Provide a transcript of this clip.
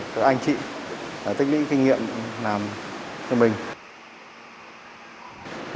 các anh chị là tích lĩnh kinh nghiệm làm cho mình